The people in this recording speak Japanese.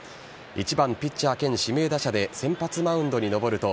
１番・ピッチャー兼指名打者で先発マウンドに登ると